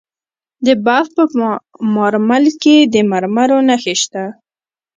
د بلخ په مارمل کې د مرمرو نښې شته.